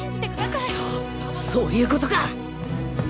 クソそういうことか！